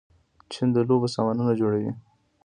چین د لوبو سامانونه ډېر جوړوي.